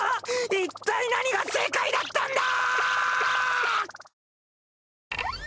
一体何が正解だったんだ！